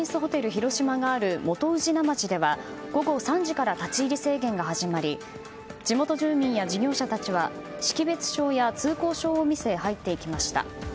広島がある元宇品町では、午後３時から立ち入り制限が始まり地元住民や事業者たちは識別証や通行証を見せ入っていきました。